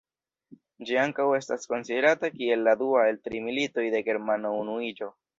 Ĝi ankaŭ estas konsiderata kiel la dua el tri Militoj de Germana Unuiĝo.